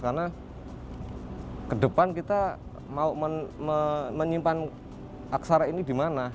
karena ke depan kita mau menyimpan aksara ini di mana